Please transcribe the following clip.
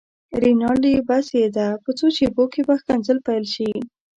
رینالډي: بس یې ده، په څو شېبو کې به ښکنځل پيل شي.